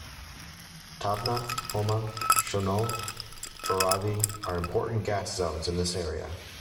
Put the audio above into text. Tabnak, Homa, Shanol, Varavi are important Gas Zones in this area.